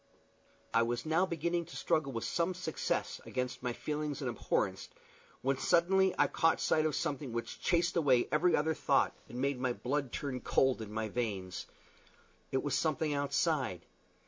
I was now beginning to struggle with some success against my feelings of abhorrence, when suddenly I caught sight of something which chased away every other thought, and made my blood turn cold in my veins. It was something outside.